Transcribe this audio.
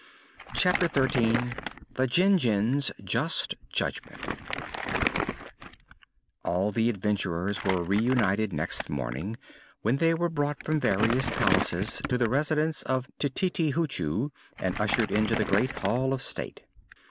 Chapter Thirteen The Jinjin's Just Judgment All the adventurers were reunited next morning when they were brought from various palaces to the Residence of Tititi Hoochoo and ushered into the great Hall of State.